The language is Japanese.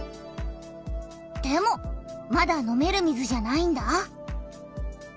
でもまだ飲める水じゃないんだ。